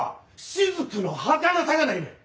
滴のはかなさがないねん！